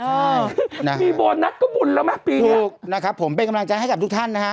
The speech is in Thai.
ใช่นะครับถูกนะครับผมเป็นกำลังใจให้จับทุกท่านนะฮะ